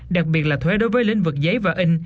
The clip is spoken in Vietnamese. đặc biệt là thuế đối với lĩnh vực giấy và in